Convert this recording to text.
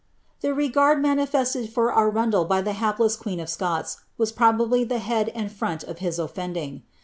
The regard manifested for Arnndel by ihe hapless qneet) of Scou, \ras probably the head and front of his offending.